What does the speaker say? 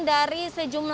dari sejumlah pihak